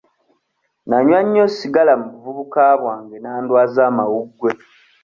Nanywa nnyo ssigala mu buvubuka bwange n'andwaaza amawuggwe.